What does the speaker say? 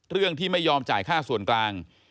เรื่องที่ไม่ยอมจ่ายค่าส่วนกลาง